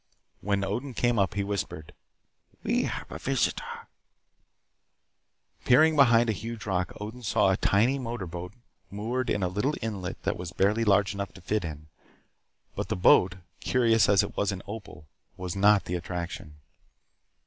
When Odin came up he whispered, "We have a visitor." Peering behind a huge rock Odin saw a tiny motorboat moored in a little inlet that was barely large enough to fit it. But the boat, curious as it was in Opal, was not the attraction.